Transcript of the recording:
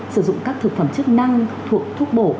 sử dụng các thực phẩm chức năng thuộc thuốc bổ